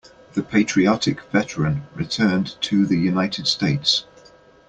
The patriotic veteran returned to the United States.